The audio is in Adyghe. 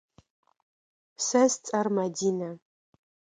Сэ сцӏэр Мадинэ.